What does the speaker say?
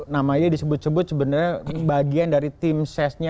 nama ini disebut sebut sebenarnya bagian dari tim sesnya